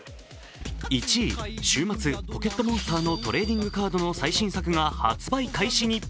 週末、「ポケットモンスター」のトレーディングカードの最新作が発売開始に。